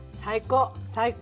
最高！